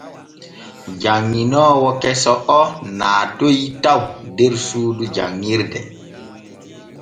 Janŋinoowo keso o naatoy taw der suudu janŋirde.